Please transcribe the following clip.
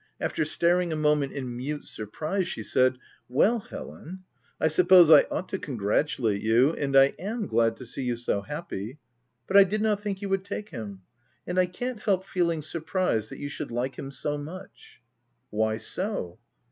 After staring a moment in mute surprise, she said —Well Helen, I suppose I ought to congra tulate you — and I am glad to see you so happy ; but I did not think you would take him ; and I can't help feeling surprised that you should like him so much/' " Why so